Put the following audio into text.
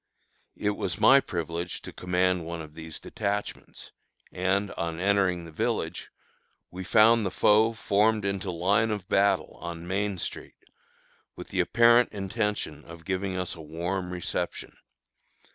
It was my privilege to command one of these detachments; and, on entering the village, we found the foe formed into line of battle on Main street, with the apparent intention of giving us a warm reception.